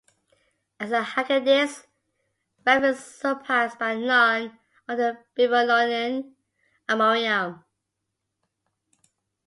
As a haggadist, Rav is surpassed by none of the Babylonian "Amoraim".